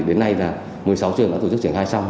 đến nay là một mươi sáu trường đã tổ chức triển khai xong